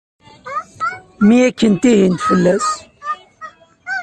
Mi akken tihint fell-as.